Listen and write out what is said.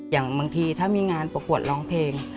อย่างบางทีถ้ามีงานประกวดร้องเพลง